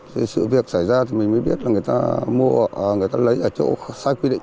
thì sự việc xảy ra thì mình mới biết là người ta mua người ta lấy ở chỗ sai quy định